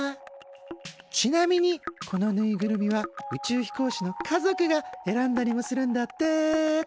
ちなみにこのぬいぐるみは宇宙飛行士の家族が選んだりもするんだって。